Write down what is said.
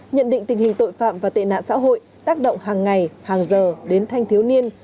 nhận định tình hình tội phạm và tệ nạn xã hội tác động hàng ngày hàng giờ đến thanh thiếu niên